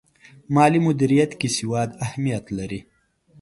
مالي مدیریت کې سواد اهمیت لري.